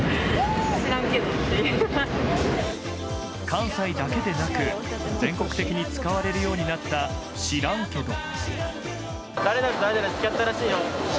関西だけでなく全国的に使われるようになった「知らんけど」。